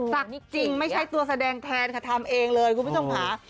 ศักดิ์จริงไม่ใช่ตัวแสดงแทนค่ะทำเองเลยกูไม่ต้องหา